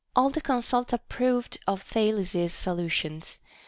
10. All the consult approved of Thales's solutions.